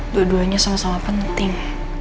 dua duanya sama sama penting